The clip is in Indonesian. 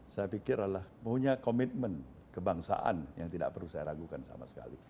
saya pikir adalah punya komitmen kebangsaan yang tidak perlu saya ragukan sama sekali